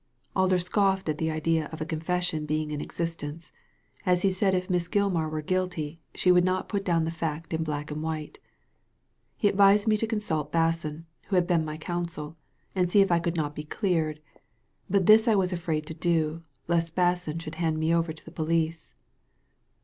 Alder scoffed at the idea of a confession being in existence, as he said if Miss Gilmar were guilty, she would not put the fact down in black and white. He advised me to consult Basson, who had been my counsel, and to see if I could not be cleared ; but this I was afraid to do, lest Basson should hand me over to the police."